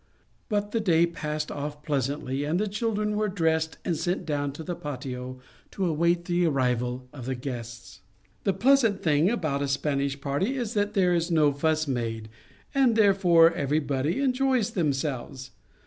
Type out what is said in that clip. But the day passed off pleasantly, and the children were dressed and sent down to the patio to await the arrival of the guests. 106 Our Little Spanish Cousin The pleasant thing about a Spanish party is that there is no fuss made, and therefore everybody enjoys themselves.